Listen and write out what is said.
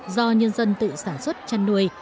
do nhân dân tự sản xuất chăn nuôi